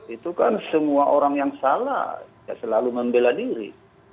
itu kan semua orang yang salah selalu membela diri